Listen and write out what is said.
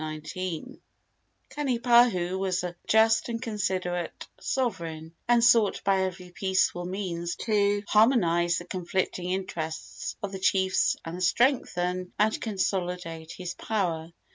Kanipahu was a just and considerate sovereign, and sought by every peaceful means to harmonize the conflicting interests of the chiefs and strengthen and consolidate his power.